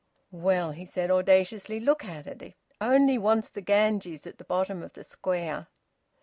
"Well," he said audaciously, "look at it! It only wants the Ganges at the bottom of the Square!"